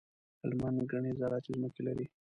هلمند ګڼي زراعتي ځمکي لري.